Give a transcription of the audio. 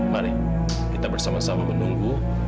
mari kita bersama sama menunggu